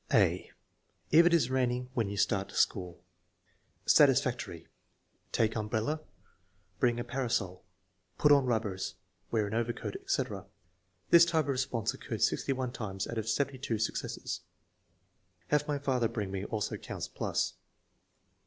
(a) If it is raining when you start to school Satisfactory. "Take umbrella," "Bring a parasol," "Put on rubbers," "Wear an overcoat," etc. This type of response occurred 61 times out of 72 successes. "Have my father bring me" also counts plus.